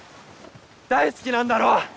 大好きなんだろ？